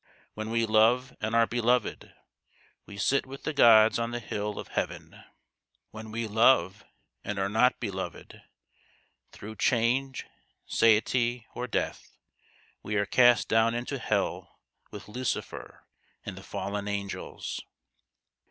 When we love and are beloved, we sit with the gods on the hill of Heaven ; when we love and are not beloved, through change, satiety, or death, we are cast down into hell with Lucifer and the fallen angels.